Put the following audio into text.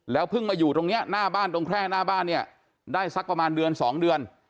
เพิ่งมาอยู่ตรงนี้หน้าบ้านตรงแค่หน้าบ้านเนี่ยได้สักประมาณเดือน๒เดือน